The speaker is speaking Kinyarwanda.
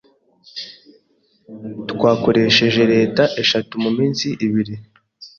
Twakoresheje leta eshatu muminsi ibiri.